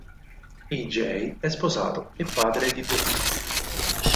E. J. è sposato e padre di due figli.